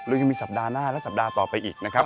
ยังมีสัปดาห์หน้าและสัปดาห์ต่อไปอีกนะครับ